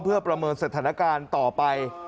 เพื่อประเมินศรัฐนาคารต่อไป